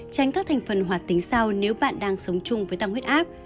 tránh các thành phần hoạt tính sau nếu bạn đang sống chung với tăng huyết áp